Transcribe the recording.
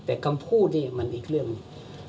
แต่คำพูดนี่มันอีกเรื่องหนึ่ง